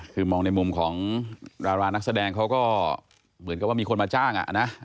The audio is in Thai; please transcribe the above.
คือมองในมุมของดารานักแสดงเขาก็เหมือนกับว่ามีคนมาจ้างอ่ะนะ